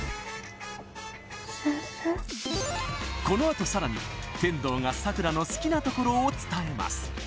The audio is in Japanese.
このあとさらに天堂が佐倉の好きなところを伝えます